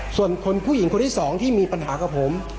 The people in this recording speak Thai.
ส่วนคนผู้หญิงคนที่สองที่มีปัญหากับผม